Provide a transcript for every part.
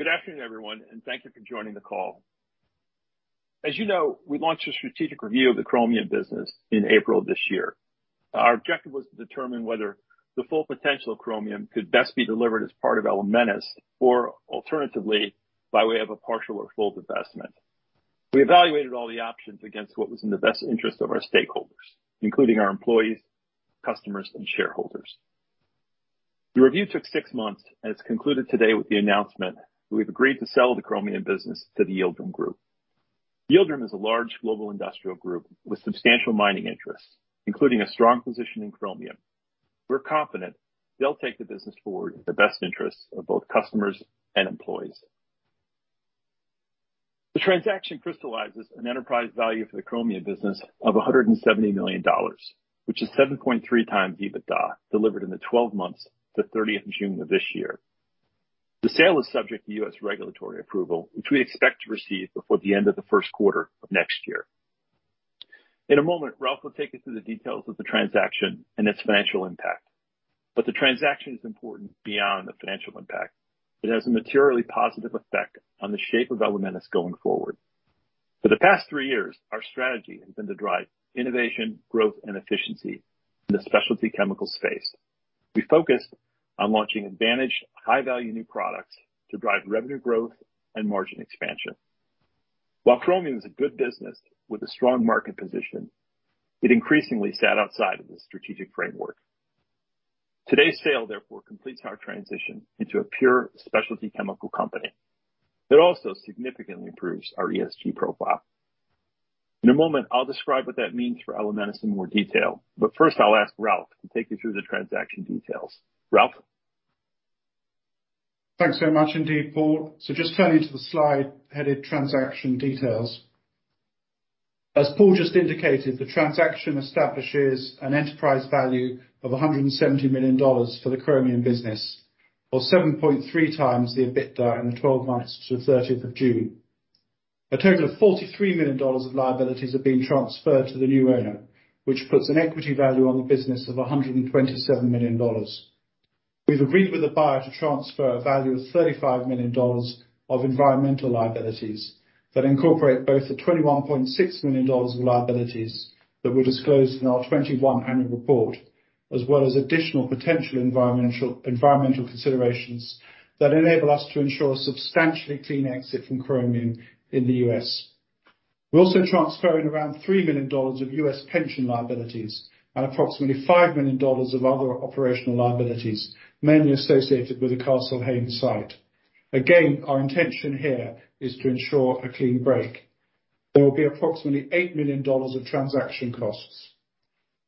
Good afternoon, everyone, and thank you for joining the call. As you know, we launched a strategic review of the Chromium business in April of this year. Our objective was to determine whether the full potential of Chromium could best be delivered as part of Elementis or alternatively, by way of a partial or full divestment. We evaluated all the options against what was in the best interest of our stakeholders, including our employees, customers, and shareholders. The review took six months and it's concluded today with the announcement we've agreed to sell the Chromium business to the Yildirim Group. Yildirim is a large global industrial group with substantial mining interests, including a strong position in Chromium. We're confident they'll take the business forward in the best interests of both customers and employees. The transaction crystallizes an enterprise value for the Chromium business of $170 million, which is 7.3x EBITDA, delivered in the 12 months to 30th of June of this year. In a moment, Ralph will take you through the details of the transaction and its financial impact. The transaction is important beyond the financial impact. It has a materially positive effect on the shape of Elementis going forward. For the past three years, our strategy has been to drive innovation, growth and efficiency in the specialty chemical space. We focus on launching advantage, high-value new products to drive revenue growth and margin expansion. While Chromium is a good business with a strong market position, it increasingly sat outside of the strategic framework. Today's sale therefore completes our transition into a pure specialty chemical company. It also significantly improves our ESG profile. In a moment, I'll describe what that means for Elementis in more detail. First, I'll ask Ralph to take you through the transaction details. Ralph? Thanks very much indeed, Paul. Just turning to the slide headed transaction details. As Paul just indicated, the transaction establishes an enterprise value of $170 million for the Chromium business, or 7.3x the EBITDA in the 12 months to 30th of June. A total of $43 million of liabilities are being transferred to the new owner, which puts an equity value on the business of $127 million. We've agreed with the buyer to transfer a value of $35 million of environmental liabilities that incorporate both the $21.6 million of liabilities that were disclosed in our 2021 annual report, as well as additional potential environmental considerations that enable us to ensure a substantially clean exit from Chromium in the U.S. We're also transferring around $3 million of U.S. pension liabilities and approximately $5 million of other operational liabilities, mainly associated with the Castle Hayne site. Again, our intention here is to ensure a clean break. There will be approximately $8 million of transaction costs.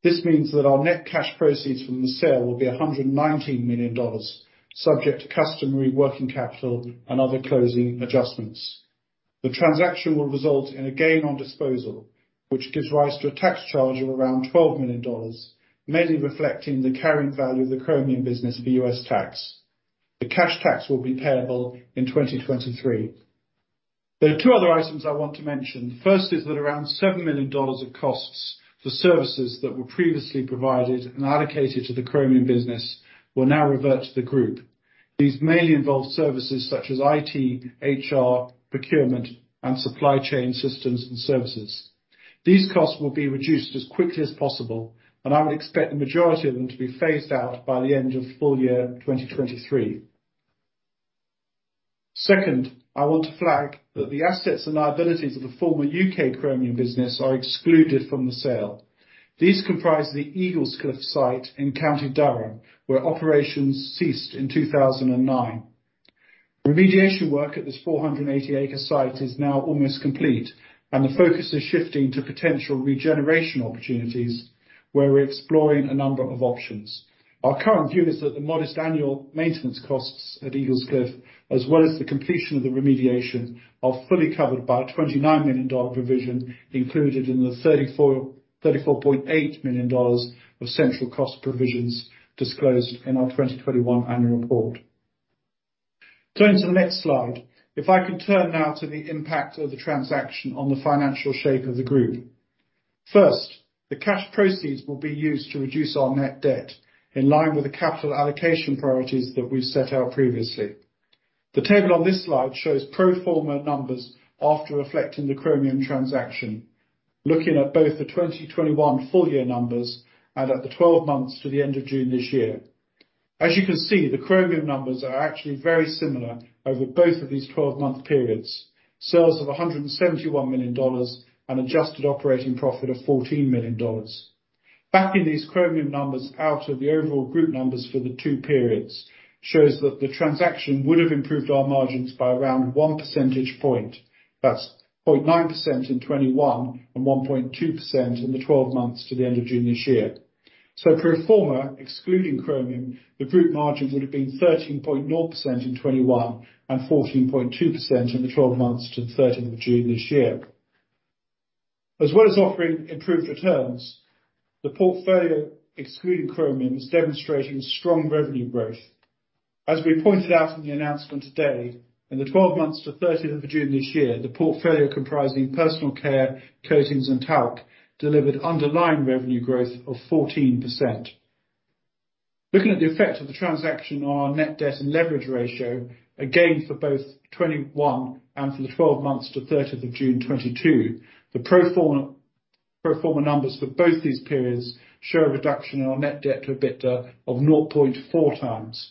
This means that our net cash proceeds from the sale will be $119 million, subject to customary working capital and other closing adjustments. The transaction will result in a gain on disposal, which gives rise to a tax charge of around $12 million, mainly reflecting the carrying value of the Chromium business for U.S. tax. The cash tax will be payable in 2023. There are two other items I want to mention. First is that around $7 million of costs for services that were previously provided and allocated to the Chromium business will now revert to the group. These mainly involve services such as IT, HR, procurement, and supply chain systems and services. These costs will be reduced as quickly as possible, I would expect the majority of them to be phased out by the end of full-year 2023. Second, I want to flag that the assets and liabilities of the former U.K. Chromium business are excluded from the sale. These comprise the Eaglescliffe site in County Durham, where operations ceased in 2009. The focus is shifting to potential regeneration opportunities, where we're exploring a number of options. Our current view is that the modest annual maintenance costs at Eaglescliffe, as well as the completion of the remediation, are fully covered by a $29 million provision included in the $34.8 million of central cost provisions disclosed in our 2021 annual report. Turning to the next slide. If I can turn now to the impact of the transaction on the financial shape of the group. First, the cash proceeds will be used to reduce our net debt in line with the capital allocation priorities that we've set out previously. The table on this slide shows pro forma numbers after reflecting the Chromium transaction, looking at both the 2021 full-year numbers and at the 12 months to the end of June this year. You can see, the Chromium numbers are actually very similar over both of these 12 month periods. Sales of $171 million, an adjusted operating profit of $14 million. Backing these Chromium numbers out of the overall group numbers for the two periods shows that the transaction would have improved our margins by around 1 percentage point. That's 0.9% in 2021 and 1.2% in the 12 months to the end of June this year. Pro forma, excluding Chromium, the group margins would have been 13.0% in 2021 and 14.2% in the 12 months to the 30th of June this year. As well as offering improved returns, the portfolio excluding Chromium is demonstrating strong revenue growth. As we pointed out in the announcement today, in the 12 months to 30th of June this year, the portfolio comprising Personal Care, Coatings, and Talc delivered underlying revenue growth of 14%. Looking at the effect of the transaction on our net debt and leverage ratio, again, for both 2021 and for the 12 months to 3rd of June 2022, the pro forma numbers for both these periods show a reduction in our net debt to EBITDA of 0.4x.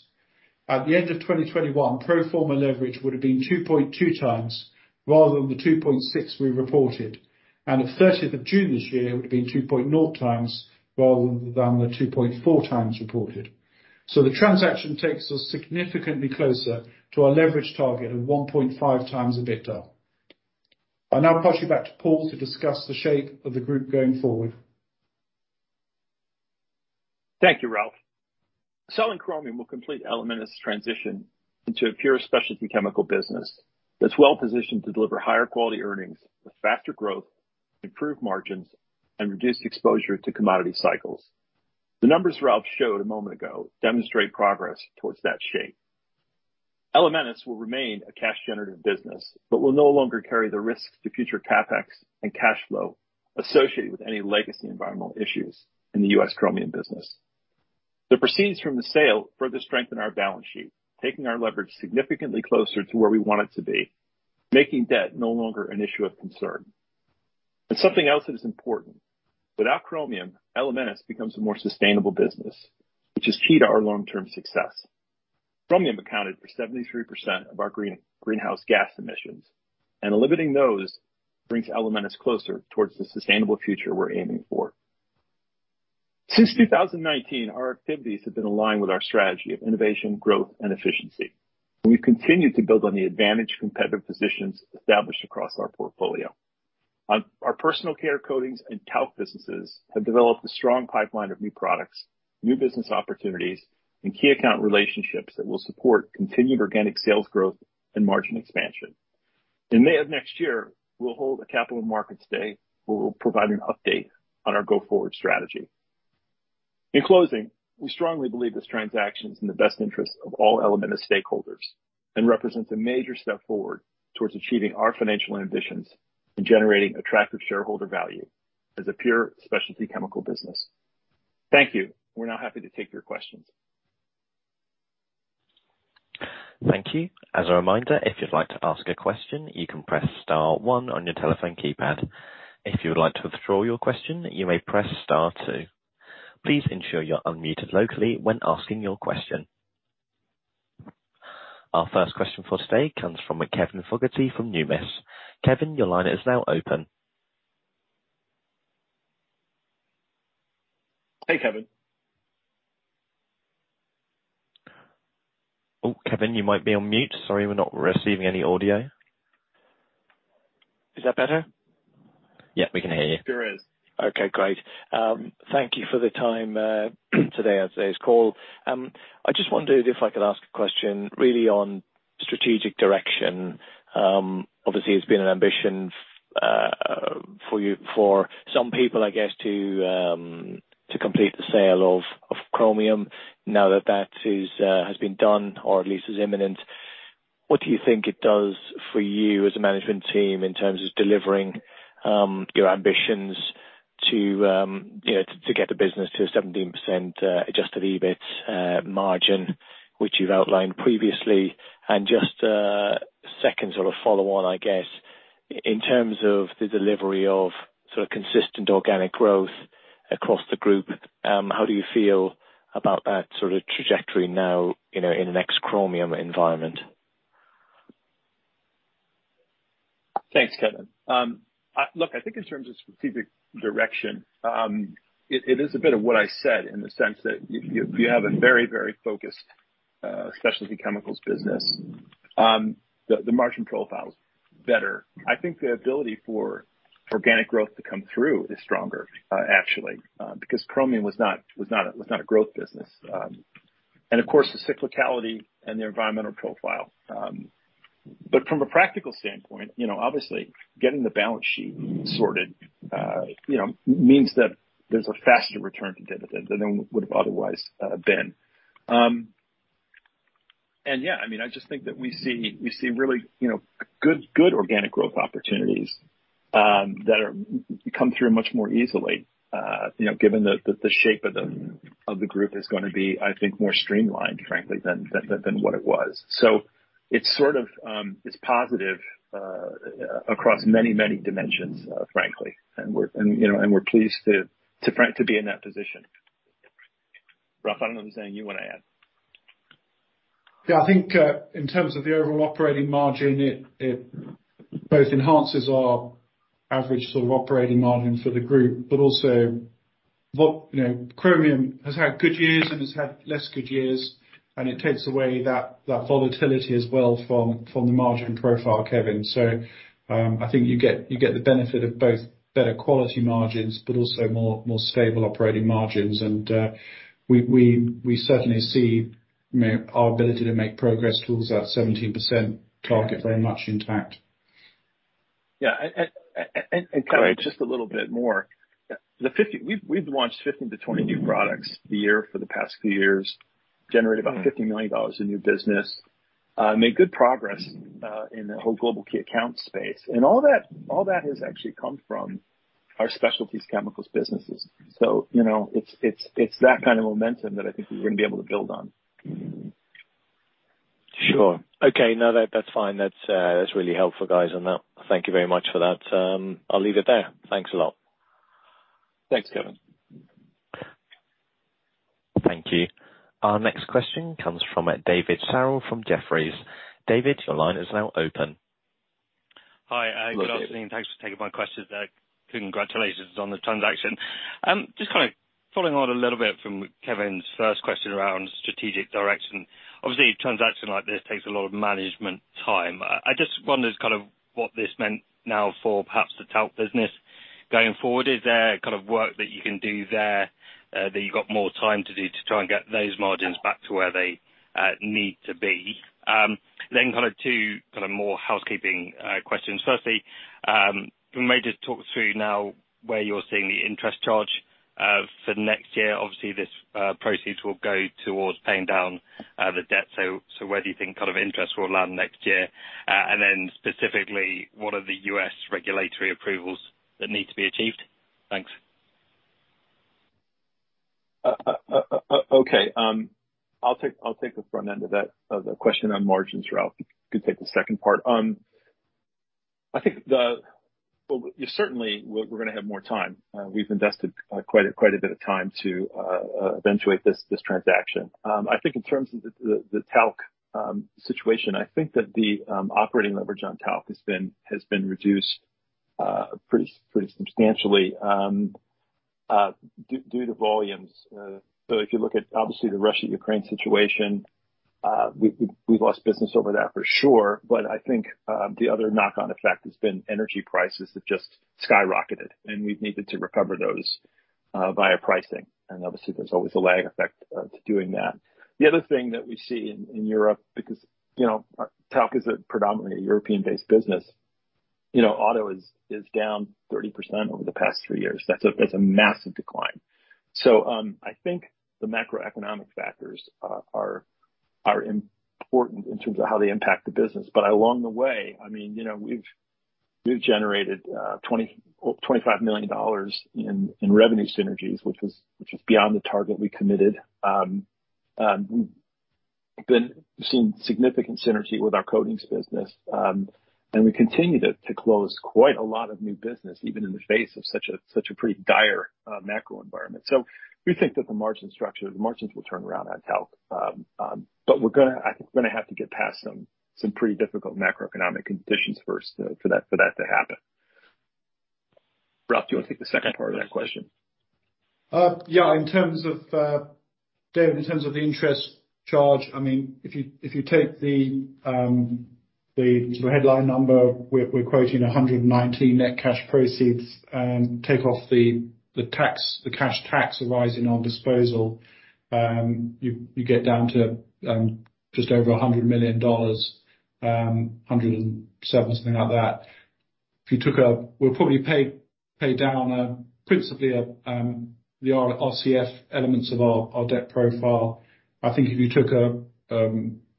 At the end of 2021, pro forma leverage would have been 2.2x rather than the 2.6x we reported, and at 30th of June this year, it would have been 2.0x rather than the 2.4x reported. The transaction takes us significantly closer to our leverage target of 1.5x EBITDA. I'll now pass you back to Paul to discuss the shape of the group going forward. Thank you, Ralph. Selling Chromium will complete Elementis transition into a pure specialty chemical business that's well-positioned to deliver higher quality earnings with faster growth, improved margins, and reduced exposure to commodity cycles. The numbers Ralph showed a moment ago demonstrate progress towards that shape. Elementis will remain a cash-generative business, but will no longer carry the risks to future CapEx and cash flow associated with any legacy environmental issues in the U.S. Chromium business. The proceeds from the sale further strengthen our balance sheet, taking our leverage significantly closer to where we want it to be, making debt no longer an issue of concern. Something else that is important, without Chromium, Elementis becomes a more sustainable business, which is key to our long-term success. Chromium accounted for 73% of our greenhouse gas emissions, and limiting those brings Elementis closer towards the sustainable future we're aiming for. Since 2019, our activities have been aligned with our strategy of innovation, growth, and efficiency. We've continued to build on the advantage competitive positions established across our portfolio. Our Personal Care, Coatings, and Talc businesses have developed a strong pipeline of new products, new business opportunities, and key account relationships that will support continued organic sales growth and margin expansion. In May of next year, we'll hold a capital markets day where we'll provide an update on our go-forward strategy. In closing, we strongly believe this transaction is in the best interest of all Elementis stakeholders and represents a major step forward towards achieving our financial ambitions and generating attractive shareholder value as a pure specialty chemical business. Thank you. We're now happy to take your questions. Thank you. As a reminder, if you'd like to ask a question, you can press star one on your telephone keypad. If you would like to withdraw your question, you may press star two. Please ensure you're unmuted locally when asking your question. Our first question for today comes from Kevin Fogarty from Numis. Kevin, your line is now open. Hey, Kevin. Kevin, you might be on mute. Sorry, we're not receiving any audio. Is that better? Yeah, we can hear you. There is. Okay, great. Thank you for the time today at today's call. I just wondered if I could ask a question really on strategic direction. Obviously it's been an ambition for some people, I guess, to complete the sale of Chromium. Now that that is has been done or at least is imminent, what do you think it does for you as a management team in terms of delivering your ambitions to, you know, get the business to a 17% adjusted EBIT margin, which you've outlined previously? Just a second sort of follow on, I guess, in terms of the delivery of sort of consistent organic growth across the group, how do you feel about that sort of trajectory now, you know, in the next Chromium environment? Thanks, Kevin. I think in terms of strategic direction, it is a bit of what I said in the sense that you have a very focused specialty chemicals business. The margin profile is better. I think the ability for organic growth to come through is stronger, actually, because Chromium was not a growth business. Of course, the cyclicality and the environmental profile. From a practical standpoint, you know, obviously getting the balance sheet sorted, you know, means that there's a faster return to dividend than there would have otherwise been. Yeah, I mean, I just think that we see really, you know, good organic growth opportunities that are come through much more easily, you know, given the shape of the group is gonna be, I think, more streamlined, frankly, than what it was. It's sort of, it's positive across many dimensions, frankly, you know, we're pleased to be in that position. Ralph, I don't know if there's anything you wanna add. I think, in terms of the overall operating margin, it both enhances our average sort of operating margin for the group, but also what, you know, Chromium has had good years and has had less good years, and it takes away that volatility as well from the margin profile, Kevin. I think you get the benefit of both better quality margins but also more stable operating margins. We certainly see our ability to make progress tools at 17% target very much intact. Yeah. And Kevin, just a little bit more. We've launched 50 to 20 new products a year for the past few years, generated about $50 million in new business, made good progress in the whole global key account space. All that, all that has actually come from Our specialties chemicals businesses. You know, it's, it's that kind of momentum that I think we're gonna be able to build on. Sure. Okay. No, that's fine. That's, that's really helpful, guys, on that. Thank you very much for that. I'll leave it there. Thanks a lot. Thanks, Kevin. Thank you. Our next question comes from David Farrell from Jefferies. David, your line is now open. Hi. Good afternoon. Good afternoon. Thanks for taking my questions. Congratulations on the transaction. Just kind of following on a little bit from Kevin's first question around strategic direction. Obviously, a transaction like this takes a lot of management time. I just wondered kind of what this meant now for perhaps the Talc business going forward. Is there kind of work that you can do there that you've got more time to do to try and get those margins back to where they need to be? Then kind of 2 kind of more housekeeping questions. Firstly, can we maybe just talk through now where you're seeing the interest charge for next year? Obviously, this proceeds will go towards paying down the debt. Where do you think kind of interest will land next year? Specifically, what are the U.S. regulatory approvals that need to be achieved? Thanks. Okay. I'll take the front end of that, of the question on margins. Ralph, you can take the second part. Well, certainly we're gonna have more time. We've invested quite a bit of time to eventuate this transaction. I think in terms of the talc situation, I think that the operating leverage on talc has been reduced pretty substantially due to volumes. If you look at obviously the Russia-Ukraine situation, we lost business over that for sure. I think the other knock-on effect has been energy prices have just skyrocketed, and we've needed to recover those via pricing. Obviously, there's always a lag effect to doing that. The other thing that we see in Europe, because, you know, Talc is a predominantly European-based business. You know, auto is down 30% over the past three years. That's a massive decline. I think the macroeconomic factors are important in terms of how they impact the business. Along the way, I mean, you know, we've generated $25 million in revenue synergies, which was beyond the target we committed. We've been seeing significant synergy with our Coatings business, and we continue to close quite a lot of new business, even in the face of such a pretty dire macro environment. We think that the margin structure, the margins will turn around on Talc. I think we're gonna have to get past some pretty difficult macroeconomic conditions first for that, for that to happen. Ralph, do you wanna take the second part of that question? Yeah. In terms of David, in terms of the interest charge, I mean, if you take the headline number, we're quoting $119 net cash proceeds. Take off the tax, the cash tax arising on disposal, you get down to just over $100 million, $107, something like that. We'll probably pay down principally the RCF elements of our debt profile. I think if you took a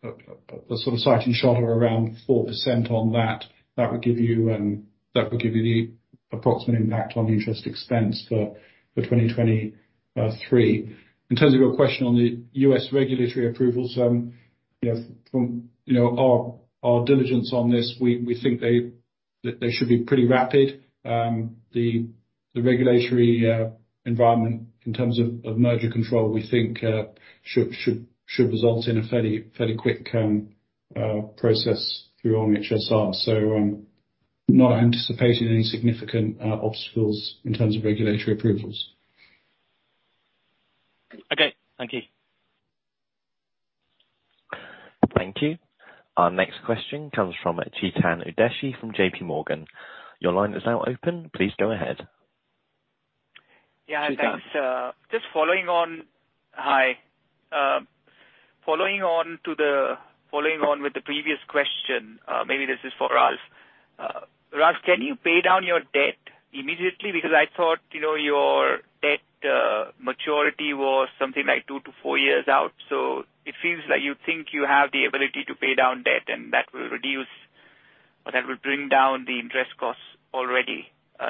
sort of sighting shot of around 4% on that would give you the approximate impact on interest expense for 2023. In terms of your question on the US regulatory approvals, you know, from, you know, our diligence on this, we think they should be pretty rapid. The regulatory environment in terms of merger control, we think, should result in a fairly quick process through HSR. Not anticipating any significant obstacles in terms of regulatory approvals. Okay. Thank you. Thank you. Our next question comes from Chetan Udeshi from JPMorgan. Your line is now open. Please go ahead. Chetan. Yeah. Thanks. Hi, following on with the previous question, maybe this is for Ralph. Ralph, can you pay down your debt immediately? I thought, you know, your debt maturity was something like two to four years out, so it seems like you think you have the ability to pay down debt and that will reduce, or that will bring down the interest costs already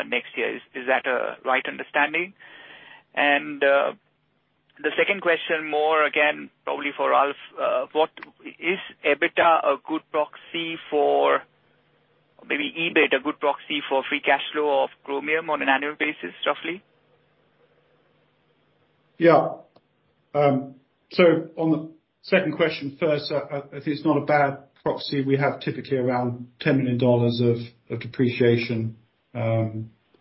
next year. Is that a right understanding? The second question more, again, probably for Ralph. Is EBITDA a good proxy for maybe EBIT a good proxy for free cash flow of Chromium on an annual basis, roughly? On the second question first, I think it's not a bad proxy. We have typically around $10 million of depreciation,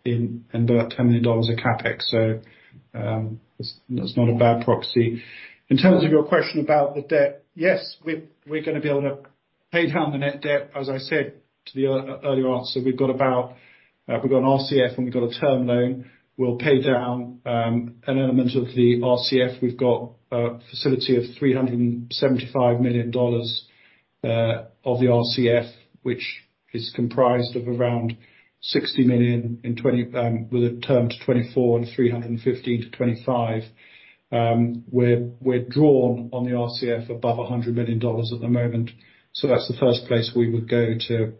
in, about $10 million of CapEx. That's not a bad proxy. In terms of your question about the debt, yes, we're gonna be able to pay down the net debt. As I said to the earlier answer, we've got about, we've got an RCF and we've got a term loan. We'll pay down an element of the RCF. We've got a facility of $375 million of the RCF, which is comprised of around $60 million with a term to 2024 and $315 million to 2025. We're drawn on the RCF above $100 million at the moment. That's the first place we would go to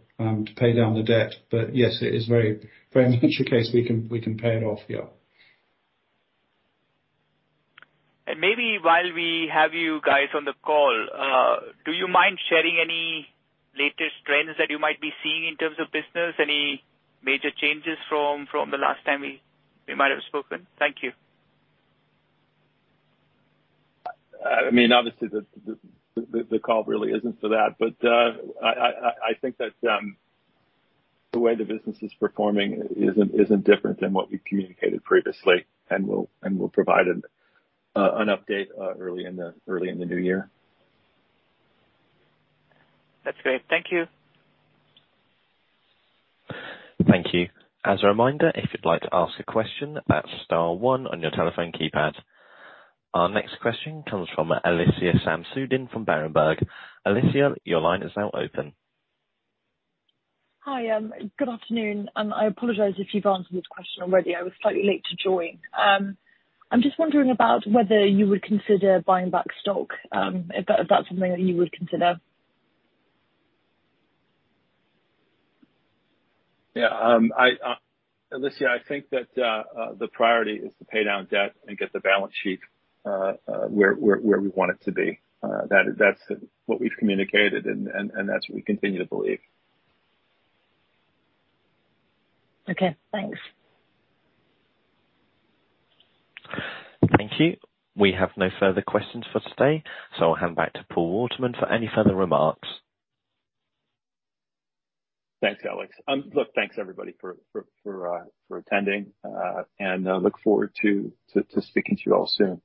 pay down the debt. Yes, it is very, very much a case we can pay it off. Yeah. Maybe while we have you guys on the call, do you mind sharing any latest trends that you might be seeing in terms of business? Any major changes from the last time we might have spoken? Thank you. I mean, obviously the call really isn't for that, but, I think that the way the business is performing isn't different than what we communicated previously, and we'll provide an update early in the new year. That's great. Thank you. Thank you. As a reminder, if you'd like to ask a question, that's star one on your telephone keypad. Our next question comes from Alycia Samsudin from Berenberg. Alycia, your line is now open. Hi, good afternoon. I apologize if you've answered this question already. I was slightly late to join. I'm just wondering about whether you would consider buying back stock, if that's something that you would consider. Yeah. I, Alycia, I think that the priority is to pay down debt and get the balance sheet where we want it to be. That's what we've communicated and that's what we continue to believe. Okay, thanks. Thank you. We have no further questions for today. I'll hand back to Paul Waterman for any further remarks. Thanks, Alex. look, thanks everybody for attending, and I look forward to speaking to you all soon.